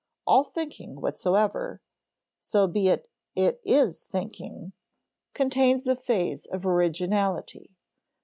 All thinking whatsoever so be it is thinking contains a phase of originality.